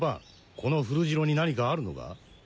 この古城に何かあるのか？